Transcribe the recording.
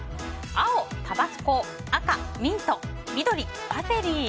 青、タバスコ赤、ミント緑、パセリ。